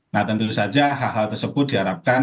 nah tentu saja hal hal tersebut diharapkan